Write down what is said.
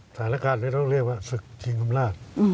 สถานการณ์ที่ต้องเรียกว่าศึกษีนำราช